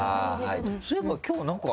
そういえば今日なんか。